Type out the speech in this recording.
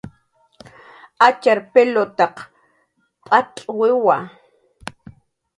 Atxar pilutaq p'acxwiwa